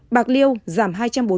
bạc liêu giảm hai trăm bốn mươi hai